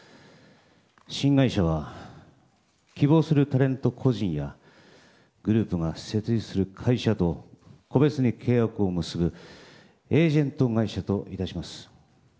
新会社は希望するタレント個人やグループが設立する会社と個別に契約を結ぶエージェント会社といたします。